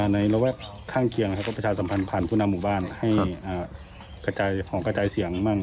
ในระแวกข้างเคียงเขาก็ประชาสัมพันธ์ผ่านผู้นำหมู่บ้านให้กระจายห่องกระจายเสียงบ้าง